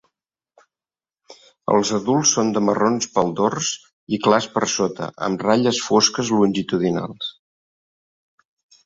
Els adults són de marrons pel dors i clars per sota, amb ratlles fosques longitudinals.